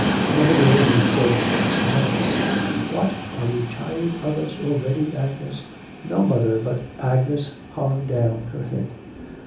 'Mother dear, he said six months.' 'What, are you tired of us already, Agnes?' 'No, mother, but ' Agnes hung down her head.